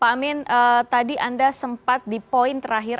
pak amin tadi anda sempat di poin terakhir